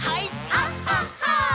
「あっはっは」